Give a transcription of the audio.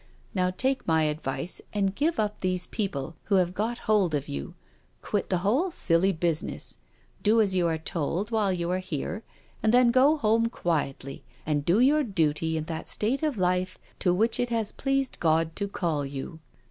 Now, take my advice and give up these people who have got hold of you — quit the whole silly business — do as you are told while you are here, and then go home quietly and do your duty in that state of life to which it has pleased! God to call you."